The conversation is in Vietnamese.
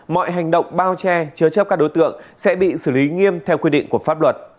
mọi hành động bao che chứa chấp các đối tượng sẽ bị xử lý nghiêm theo quy định của pháp luật